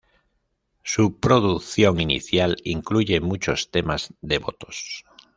Su producción inicial incluye muchos temas devotos.